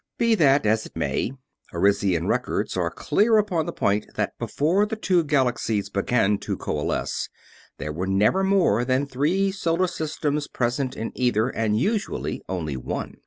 Be that as it may, Arisian records are clear upon the point that before the two galaxies began to coalesce, there were never more than three solar systems present in either; and usually only one.